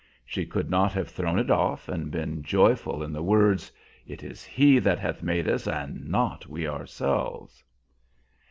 She could not have thrown it off and been joyful in the words, "It is He that hath made us, and not we ourselves."